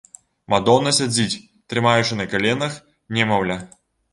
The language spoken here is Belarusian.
Мадонна сядзіць, трымаючы на каленах немаўля.